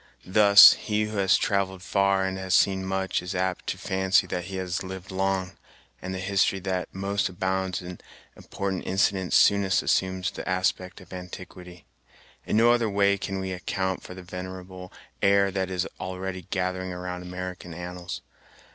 Thus, he who has travelled far and seen much is apt to fancy that he has lived long; and the history that most abounds in important incidents soonest assumes the aspect of antiquity. In no other way can we account for the venerable air that is already gathering around American annals.